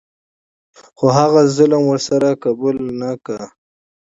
خو هغه ظلم ور سره قبوله نه کړه.